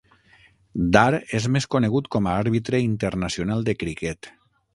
Dar és més conegut com a àrbitre internacional de criquet.